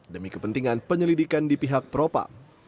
demi kepentingan penyelidikan di pihak propa